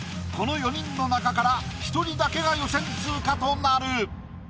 この４人の中から１人だけが予選通過となる。